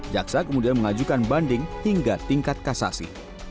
jaksa kemudian mengajukan banding hingga tingkat kasasi